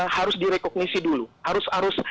harus direkognisi dulu